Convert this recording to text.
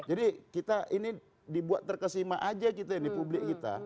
jadi kita ini dibuat terkesima aja kita ini publik kita